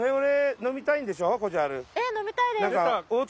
飲みたいです！